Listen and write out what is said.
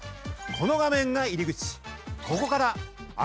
この画面が入り口。